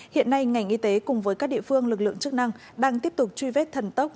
hiện nay ngành y tế cùng với các địa phương lực lượng chức năng đang tiếp tục truy vết thần tốc